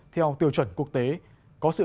theo tiêu chuẩn quốc tế có sự